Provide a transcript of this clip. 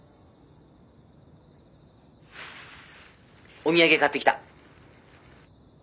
「お土産買ってきた！」。